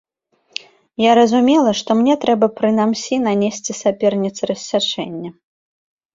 Я разумела, што мне трэба прынамсі нанесці саперніцы рассячэнне.